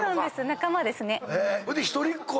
仲間ですね。